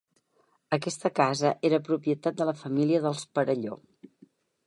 Aquesta casa era propietat de la família dels Perelló.